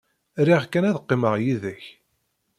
Riɣ kan ad qqimeɣ yid-k.